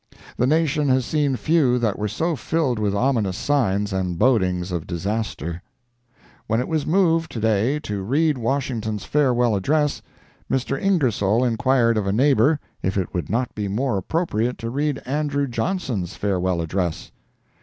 The nation has seen few that were so filled with ominous signs and bodings of disaster. When it was moved to day to read Washington's Farewell Address, Mr. Ingersoll inquired of a neighbor if it would not be more appropriate to read Andrew Johnson's Farewell Address!